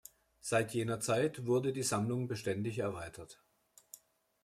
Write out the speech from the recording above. Seit jener Zeit wurde die Sammlung beständig erweitert.